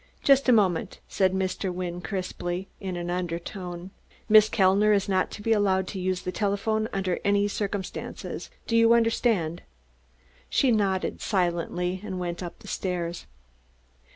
"Just a moment," said Mr. Wynne crisply, in an undertone. "Miss Kellner is not to be allowed to use the telephone under any circumstances. You understand?" She nodded silently and went up the stairs.